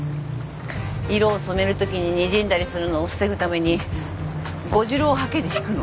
色を染めるときににじんだりするのを防ぐために豆汁をはけで引くの。